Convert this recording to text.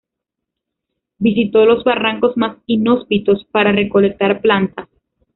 Visitó los barrancos más inhóspitos para recolectar plantas.